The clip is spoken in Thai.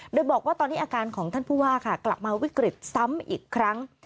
โดยบอกว่าตอนนี้อาการของท่านผู้ว่าค่ะกลับมาวิกฤตซ้ำอีกครั้ง